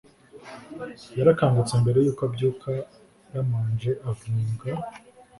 yarakangutse mbere yuko abyuka yaramanje avuga